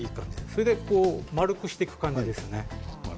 それで丸くしていく感じですね。